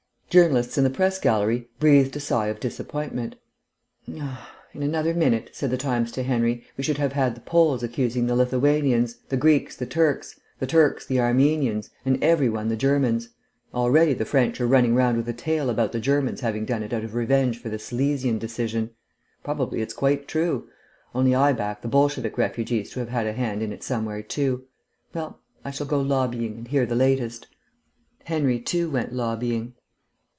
Journalists in the Press Gallery breathed a sigh of disappointment. "In another minute," said the Times to Henry, "we should have had the Poles accusing the Lithuanians, the Greeks the Turks, the Turks the Armenians, and every one the Germans. Already the French are running round with a tale about the Germans having done it out of revenge for the Silesian decision. Probably it's quite true. Only I back the Bolshevik refugees to have had a hand in it somewhere too. Well, I shall go lobbying, and hear the latest." Henry too went lobbying.